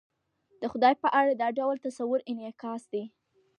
د خدای په اړه دا ډول تصور انعکاس دی.